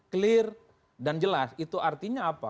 clear dan jelas itu artinya apa